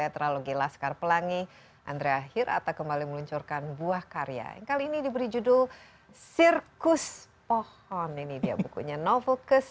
terima kasih saya ksat subscriber para pendek dan uang penting